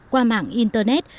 qua mạng internet